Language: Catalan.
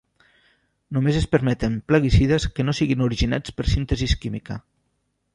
Només es permeten plaguicides que no siguin originats per síntesi química.